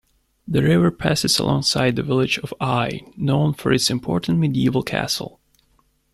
The river passes alongside the village of Eye, known for its important medieval castle.